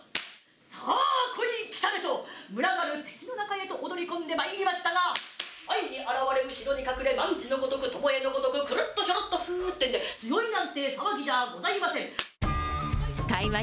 さあ、ここに来たれと、群がる敵の中へと踊り込んでございましたが、前に現れ、後ろに隠れ、まんじのごとくおとてのごとぐくるっとふわっとふーってんで、すごいなんて騒ぎじゃございません。